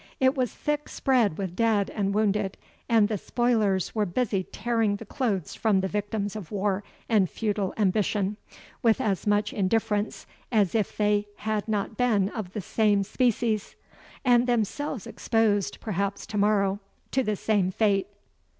It was thick spread with dead and wounded, and the spoilers were busy tearing the clothes from the victims of war and feudal ambition, with as much indifference as if they had not been of the same species, and themselves exposed, perhaps to morrow, to the same fate.